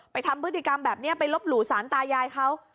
ทำพฤติกรรมแบบนี้ไปลบหลู่สารตายายเขา